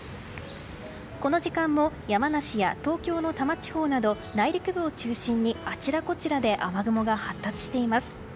この時間も山梨や東京の多摩地方など内陸部を中心にあちらこちらで雨雲が発達しています。